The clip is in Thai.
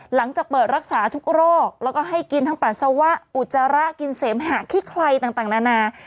หลังจากเปิดรักษาทุกโรคแล้วก็ให้กินทั้งปัสสาวะอุจจาระกินเสมหะขี้ไครต่างนานา